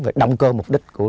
và động cơ mục đích